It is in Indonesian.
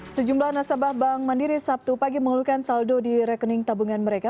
sejumlah nasabah bank mandiri sabtu pagi mengeluhkan saldo di rekening tabungan mereka